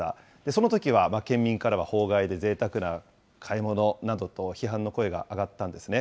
そのときは県民からは法外でぜいたくな買い物などと批判の声が上がったんですね。